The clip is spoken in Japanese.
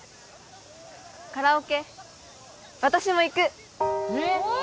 カラオケ私も行くおお！